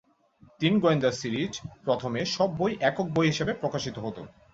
তিন গোয়েন্দা সিরিজ প্রথমে সব বই একক বই হিসেবে প্রকাশিত হত।